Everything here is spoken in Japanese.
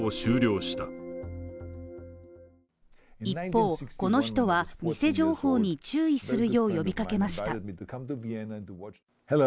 一方、この人は偽情報に注意するよう呼びかけました。